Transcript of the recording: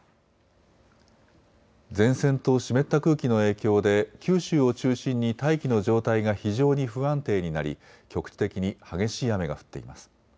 前線と湿った空気の影響で九州を中心に大気の状態が非常に不安定になり局地的に激しい雨が降っています。